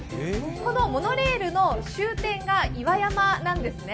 このモノレールの終点が岩山なんですね。